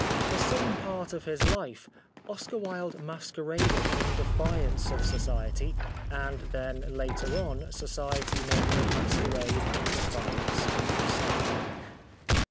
For some part of his life Oscar Wilde masqueraded in defiance of Society, and then later on Society made him masquerade in defiance of himself.